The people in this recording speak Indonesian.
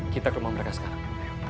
kita ke rumah mereka sekarang